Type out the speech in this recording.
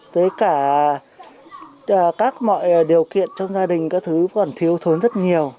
với cả các mọi điều kiện trong gia đình các thứ còn thiếu thốn rất nhiều